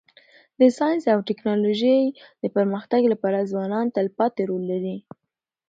د ساینس او ټکنالوژی د پرمختګ لپاره ځوانان تلپاتي رول لري.